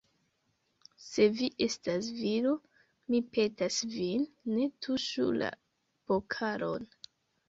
Se vi estas viro, Mi petas vin, ne tuŝu la pokalon!